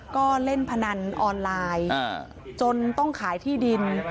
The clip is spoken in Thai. ก็เล่นพนันออนไลน์จนต้องขายที่ดิน